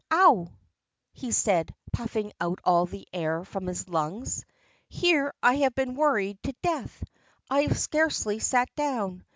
"Ough!" he said, puffing out all the air from his lungs. "Here I have been worried to death. I have scarcely sat down.